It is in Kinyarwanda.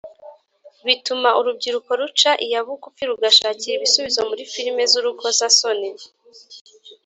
bituma urubyiruko ruca iya bugufi rugashakira ibisubizo muri filimi z’urukozasoni